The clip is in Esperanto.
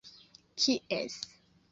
kies